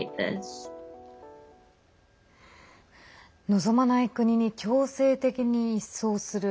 望まない国に強制的に移送する。